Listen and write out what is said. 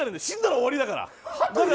死んだら終わりだから。